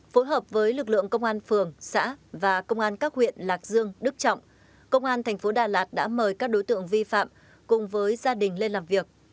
phối hợp với lực lượng công an phường xã và công an các huyện lạc dương đức trọng công an thành phố đà lạt đã mời các đối tượng vi phạm cùng với gia đình lên làm việc